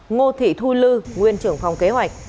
ngô thị thu lư nguyên trưởng phòng kế hoạch